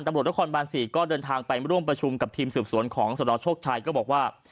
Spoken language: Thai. ตำรวจนครบาน๔ก็เดินทางไปร่วมประชุมกับทีมสืบสวนของสนโชคชัยก็บอกว่า